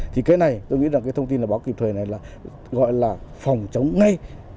thì cái này tôi nghĩ là cái thông tin là báo kịp thời này là gọi là phòng chống ngay